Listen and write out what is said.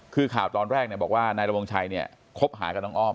คือข่าวตอนแรกบอกว่านายระวงชัยเนี่ยคบหากับน้องอ้อม